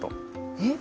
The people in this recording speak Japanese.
えっ？